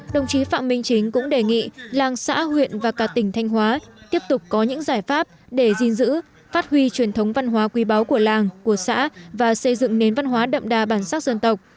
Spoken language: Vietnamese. đồng chí phạm minh chính cũng đề nghị làng xã huyện và cả tỉnh thanh hóa tiếp tục có những giải pháp để gìn giữ phát huy truyền thống văn hóa quý báu của làng của xã và xây dựng nến văn hóa đậm đà bản sắc dân tộc